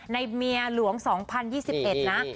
เมียหลวง๒๐๒๑นะ